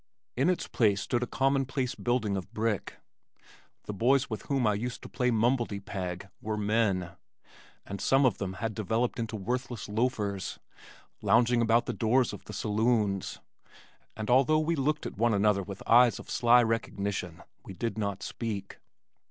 In its place stood a commonplace building of brick. The boys with whom I used to play "Mumblety Peg" were men, and some of them had developed into worthless loafers, lounging about the doors of the saloons, and although we looked at one another with eyes of sly recognition, we did not speak.